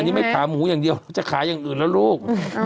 อันนี้ไม่ขาหมูอย่างเดียวจะขายอย่างอื่นแล้วลูก